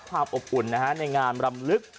ความอบอุ่นนะฮะในงามลำลึก